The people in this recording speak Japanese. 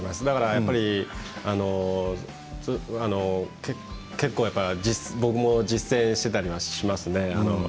だから、結構やっぱり僕も実践していたりはますね。